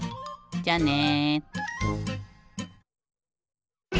じゃあね。